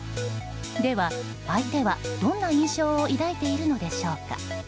では、相手はどんな印象を抱いているのでしょうか。